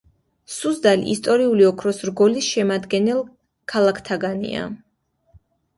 სუზდალი ისტორიული ოქროს რგოლის შემადგენელ ქალაქთაგანია.